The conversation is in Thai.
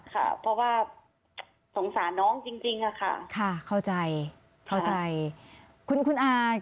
ค่ะเพราะว่าสงสารน้องจริงจริงค่ะค่ะเข้าใจเข้าใจคุณคุณอา